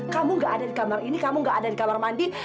kamu gak ada di kamar ini kamu gak ada di kamar mandi